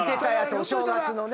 お正月のね。